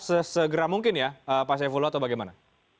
sesegera mungkin ya pak saifullah atau bagaimana